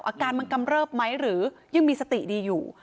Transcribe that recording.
อาการมันกำเริบไหมหรือยังมีสติดีอยู่